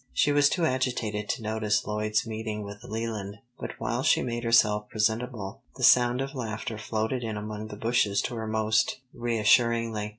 She was too agitated to notice Lloyd's meeting with Leland, but while she made herself presentable the sound of laughter floated in among the bushes to her most reassuringly.